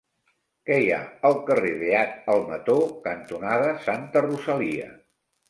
Què hi ha al carrer Beat Almató cantonada Santa Rosalia?